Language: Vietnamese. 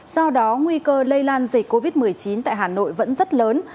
do đó nguy cơ lây lan dịch covid một mươi chín tại hà nội vẫn rất lớn